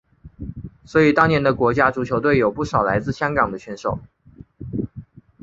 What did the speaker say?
所以当年的国家足球队有不少来自香港的选手。